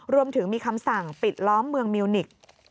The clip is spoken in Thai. รวมถึงมีคำสั่งปิดล้อมเมืองมิวนิกส์